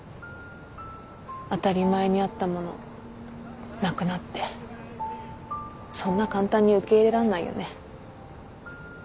当たり前にあったものなくなってそんな簡単に受け入れらんないよね。